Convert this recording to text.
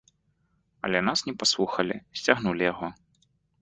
Але нас не паслухалі, сцягнулі яго.